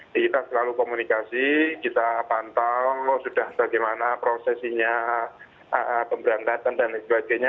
jadi kita selalu komunikasi kita pantau sudah bagaimana prosesinya pemberantasan dan sebagainya